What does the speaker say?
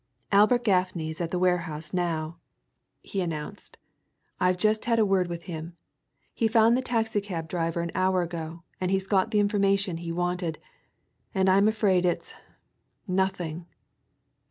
"Albert Gaffney's at the warehouse now," he announced. "I've just had a word with him. He found the taxi cab driver an hour ago, and he got the information he wanted. And I'm afraid it's nothing!"